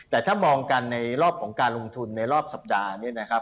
แต่ถ้ามองกันในรอบของการลงทุนในรอบสัปดาห์นี้นะครับ